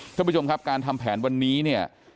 ท่านผู้ชมครับการทำแผนวันนี้เนี่ย